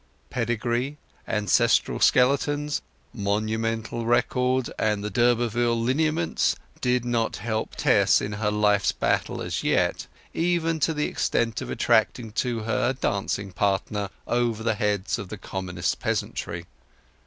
Pedigree, ancestral skeletons, monumental record, the d'Urberville lineaments, did not help Tess in her life's battle as yet, even to the extent of attracting to her a dancing partner over the heads of the commonest peasantry.